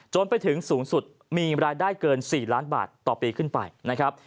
จนไปถึงสูงสุดมีรายได้เกิน๔ล้านบาทต่อปีขึ้นไปนะครับ